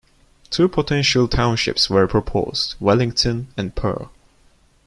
Two potential townships were proposed: Wellington and Pearl.